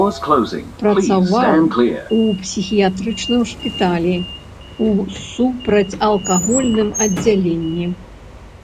Працаваў у псіхіятрычным шпіталі ў супрацьалкагольным аддзяленні.